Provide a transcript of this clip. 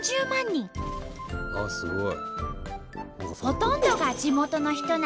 あっすごい。